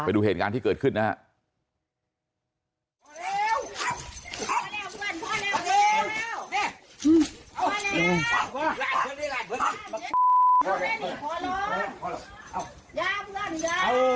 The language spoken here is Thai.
ดูเหตุการณ์ที่เกิดขึ้นนะครับ